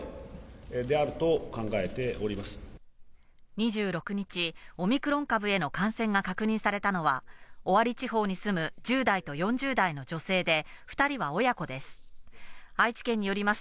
２６日、オミクロン株への感染が確認されたのは尾張地方に住む１０代と４０代の女性で２人は親子です。